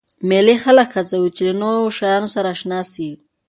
مېلې خلک هڅوي، چي له نوو شیانو سره اشنا سي.